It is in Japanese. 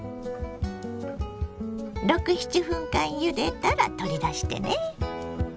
６７分間ゆでたら取り出してね。